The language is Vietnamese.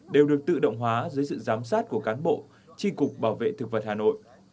đều được tự động hóa dưới sự giám sát của cán bộ tri cục bảo vệ thực vật hà nội